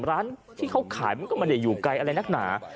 ร้านที่เขาขายมันก็ไม่ได้อยู่ไกลอะไรนักหนา